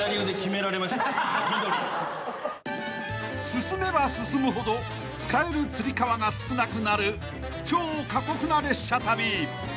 ［進めば進むほど使えるつり革が少なくなる超過酷な列車旅］